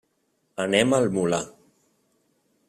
Anem al Molar.